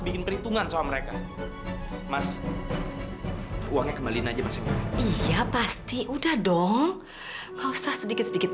bikin perhitungan sama mereka mas uangnya kembali aja mas iya pasti udah dong gak usah sedikit sedikit